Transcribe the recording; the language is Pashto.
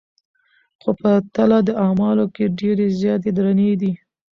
خو په تله د اعمالو کي ډېرې زياتي درنې دي